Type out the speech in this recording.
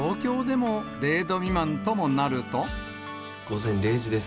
午前０時です。